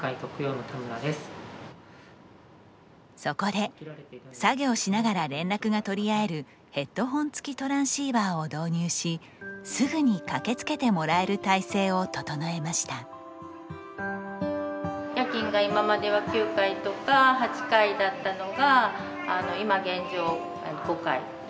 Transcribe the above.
そこで作業しながら連絡が取り合えるヘッドホン付きトランシーバーを導入しすぐに駆けつけてもらえる体制を整えました。